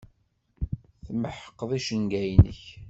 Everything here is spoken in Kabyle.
Tmeḥqeḍ icenga-nnek.